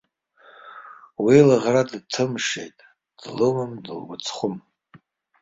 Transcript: Уи лыӷра дҭымшеит, длыуам, дылгәыцхәым!